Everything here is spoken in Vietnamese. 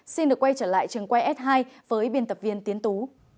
xin được quay trở lại trường quay s hai với biên tập viên tiến tú